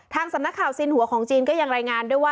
สำนักข่าวสินหัวของจีนก็ยังรายงานด้วยว่า